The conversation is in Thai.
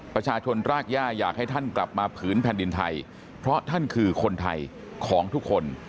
ประชาชนรากย่าอยากให้ท่านกลับมาผืนแผ่นดินไทยเพราะท่านคือคนไทยของทุกคน